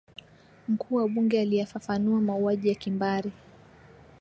mkuu wa bunge aliyafafanua mauaji ya kimbari